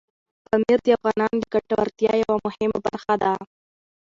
پامیر د افغانانو د ګټورتیا یوه مهمه برخه ده.